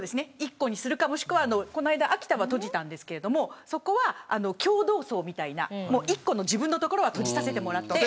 １個にするか、この間秋田は閉じたんですけれどそこは共同葬みたいな、１個の自分の所は閉じさせてもらって。